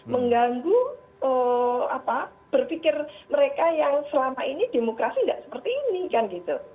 mengganggu berpikir mereka yang selama ini demokrasi tidak seperti ini kan gitu